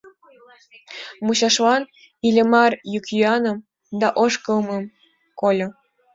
Мучашлан Иллимар йӱк-йӱаным да ошкылмым кольо.